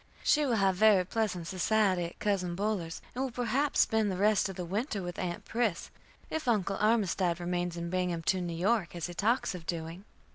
She will have very pleasant society at Cousin Buller's, and will perhaps spend the rest of the winter with Aunt Pris, if Uncle Armistead remains in Binghampton, New York, as he talks of doing.